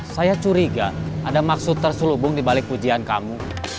saya curiga ada maksud terselubung dibalik pujian kamu